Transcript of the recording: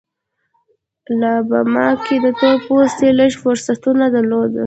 الاباما کې تور پوستي لږ فرصتونه درلودل.